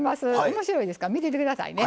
面白いですから見てて下さいね。